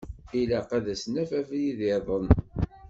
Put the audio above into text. Ilaq ad s-naf abrid-iḍen.